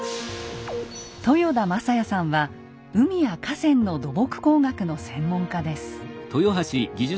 豊田将也さんは海や河川の土木工学の専門家です。